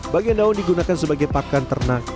bagian daun digunakan sebagai pakan ternak